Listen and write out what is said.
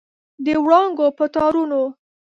د وړانګو په تارونو